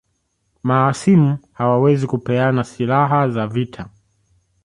Mahasimu hawawezi kupeana silaha za vita